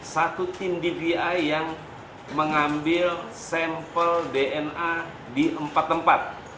satu tim dvi yang mengambil sampel dna di empat tempat